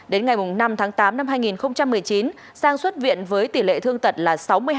đến ngày năm tháng tám năm hai nghìn một mươi chín sang xuất viện với tỷ lệ thương tật là sáu mươi hai